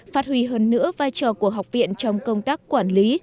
phát huy hơn nữa vai trò của học viện trong công tác quản lý